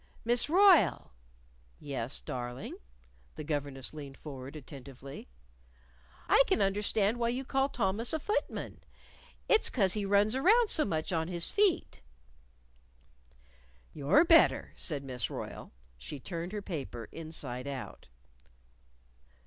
"Miss Royle!" "Yes, darling?" The governess leaned forward attentively. "I can understand why you call Thomas a footman. It's 'cause he runs around so much on his feet " "You're better," said Miss Royle. She turned her paper inside out.